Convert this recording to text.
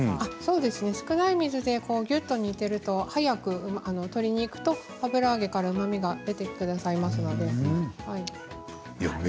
少ない水で煮ていると早く鶏肉と油揚げからうまみが出てくださいますので。